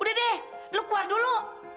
udah deh lu keluar dulu